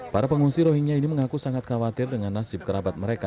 para pengungsi rohingya ini mengaku sangat khawatir dengan nasib kerabat mereka